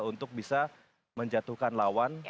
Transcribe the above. untuk bisa menjatuhkan lawan